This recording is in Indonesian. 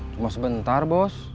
cuma sebentar bos